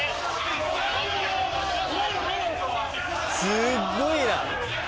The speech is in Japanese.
すごいな！